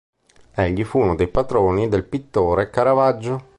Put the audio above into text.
Egli fu uno dei patroni del pittore Caravaggio.